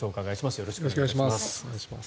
よろしくお願いします。